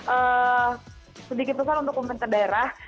eee sedikit besar untuk pemerintah daerah